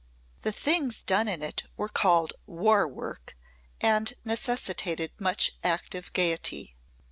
The things done in it were called War Work and necessitated much active gaiety.